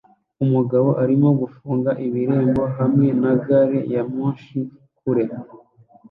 Umugabo arimo gufunga irembo hamwe na gari ya moshi kure